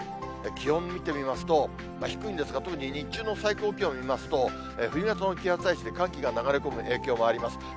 気温見てみますと、低いんですが、特に日中の最高気温を見ますと、冬型の気圧配置で、寒気が流れ込む影響もあります。